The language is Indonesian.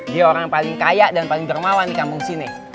dia orang paling kaya dan paling dermawan di kampung sini